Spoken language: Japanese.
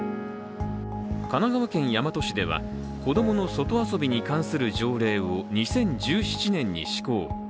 神奈川県大和市では、子供の外遊びに関する条例を２０１７年に施行。